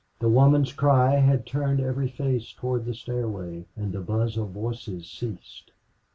The woman's cry had turned every face toward the stairway, and the buzz of voices ceased.